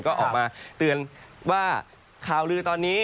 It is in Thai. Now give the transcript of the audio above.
ก็ออกมาเตือนว่าข่าวลือตอนนี้